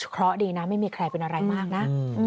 เพราะดีนะไม่มีใครเป็นอะไรมากนะ